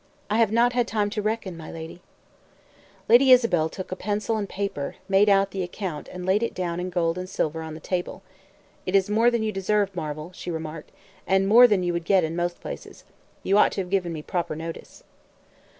"I have not had time to reckon, my lady." Lady Isabel took a pencil and paper, made out the account, and laid it down in gold and silver on the table. "It is more than you deserve, Marvel," she remarked, "and more than you would get in most places. You ought to have given me proper notice."